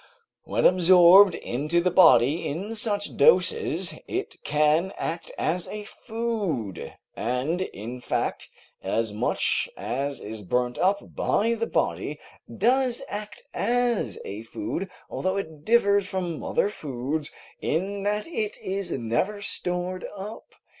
When absorbed into the body in such doses, it can act as a food, and, in fact, as much as is burnt up by the body does act as a food, although it differs from other foods in that it is never stored up.